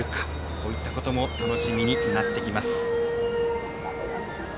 こういったことも楽しみになってきます。